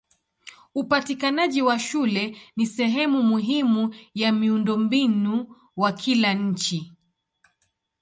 Upatikanaji wa shule ni sehemu muhimu ya miundombinu wa kila nchi.